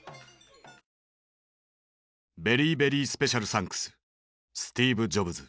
「ベリーベリースペシャルサンクススティーブ・ジョブズ」。